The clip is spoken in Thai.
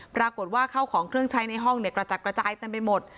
ปรากฏว่าเข้าของเครื่องใช้ในห้องกระจัดกระจายเต็มไปหมด